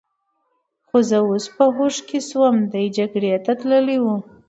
خو زه اوس په هوښ کې شوم، دی جګړې ته تلی و.